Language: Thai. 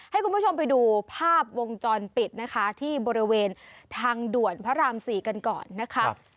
ให้คุณผู้ชมไปดูภาพวงจรปิดนะคะที่บริเวณทางด่วนพระราม๔กันก่อนนะคะ